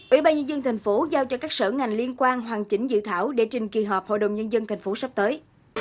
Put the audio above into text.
ủy ban nhân dân thành phố giao cho các sở ngành liên quan hoàn chỉnh dự thảo để trình kỳ họp hội đồng nhân dân tp sắp tới